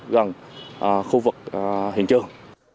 gần khu vực hiện trường